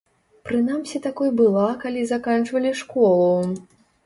Прынамсі такой была, калі заканчвалі школу.